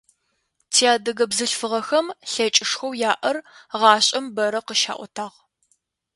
Тиадыгэ бзылъфыгъэхэм лъэкӏышхоу яӏэр гъашӏэм бэрэ къыщаӏотагъ.